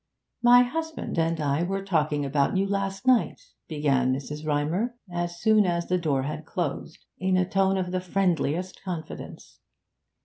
'My husband and I were talking about you last night,' began Mrs. Rymer, as soon as the door had closed, in a tone of the friendliest confidence.